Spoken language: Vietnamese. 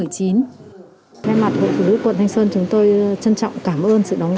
trên mặt của thủ đức quận thanh xuân chúng tôi trân trọng cảm ơn sự đóng góp